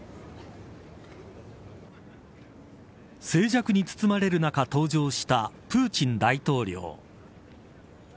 静寂に包まれる中登場したプーチン大統領。